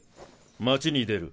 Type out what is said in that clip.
町に出る。